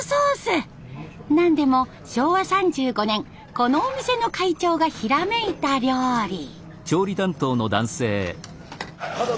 何でも昭和３５年このお店の会長がひらめいた料理。